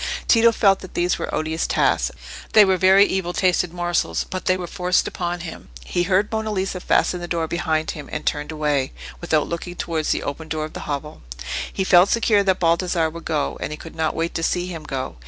Tito felt that these were odious tasks; they were very evil tasted morsels, but they were forced upon him. He heard Monna Lisa fasten the door behind him, and turned away, without looking towards the open door of the hovel. He felt secure that Baldassarre would go, and he could not wait to see him go.